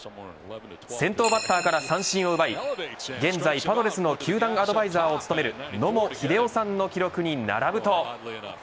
先頭バッターから三振を奪い現在パドレスの球団アドバイザーを務める野茂英雄さんの記録に並ぶと。